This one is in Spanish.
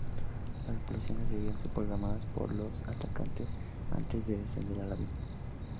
Las explosiones debían ser programadas por los atacantes antes de descender al avión.